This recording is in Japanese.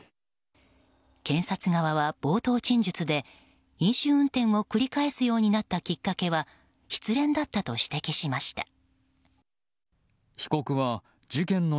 検察側は、冒頭陳述で飲酒運転を繰り返すようになったきっかけは失恋だったと指摘しました。